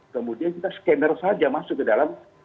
kemudian kita scanner saja masuk ke dalam